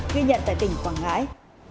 ghi nhận tại tỉnh quảng ngãi